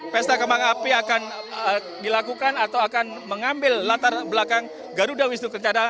pesta kembang api akan dilakukan atau akan mengambil latar belakang garuda wisnu kencana